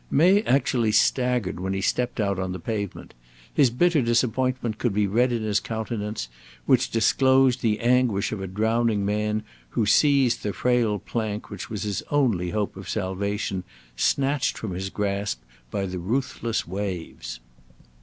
May actually staggered when he stepped out on the pavement. His bitter disappointment could be read in his countenance, which disclosed the anguish of a drowning man who sees the frail plank which was his only hope of salvation snatched from his grasp by the ruthless waves.